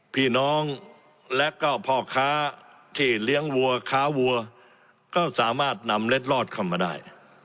พี่น้องและก็พ่อค้าที่เลี้ยงวัวค้าวัวก็สามารถนำเล็ดลอดเข้ามาได้